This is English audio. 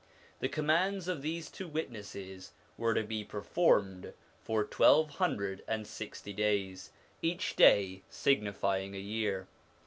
The commands of these two witnesses were to be performed for twelve hundred and sixty days, each day signifying a year.